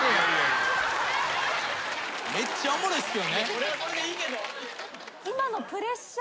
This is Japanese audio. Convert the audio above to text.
これはこれでいいけど。